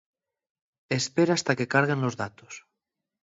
Espera hasta que carguen los datos.